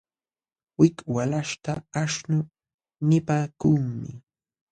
Wik walaśhta aśhnu nipaakunmi.